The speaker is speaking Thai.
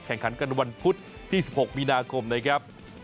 แข่งขันกันวันพุธที่๑๖มีนาคมนะครับ